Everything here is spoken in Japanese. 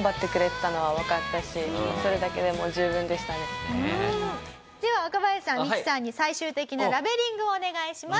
こうちゃんもでは若林さんミキさんに最終的なラベリングをお願いします。